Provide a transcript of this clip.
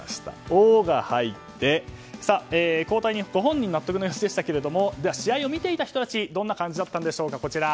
「オ」が入って交代にご本人は納得の様子でしたがでは試合を見ていた人たちはどんな感じだったのか。